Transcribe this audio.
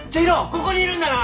ここにいるんだな！？